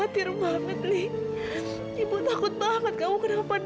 tidak aoga cuma ibu saja yang lihat